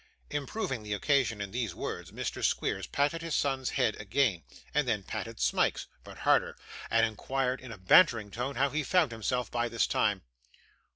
Improving the occasion in these words, Mr. Squeers patted his son's head again, and then patted Smike's but harder; and inquired in a bantering tone how he found himself by this time.